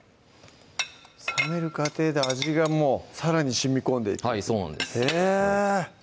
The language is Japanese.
冷める過程で味がもうさらにしみこんでいくそうなんですへぇ